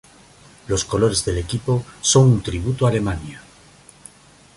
Los colores del equipo son un tributo a Alemania.